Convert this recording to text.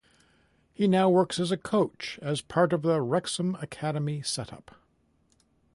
He now works as a coach as part of the Wrexham academy set-up.